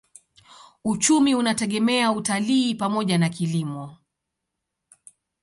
Uchumi unategemea utalii pamoja na kilimo.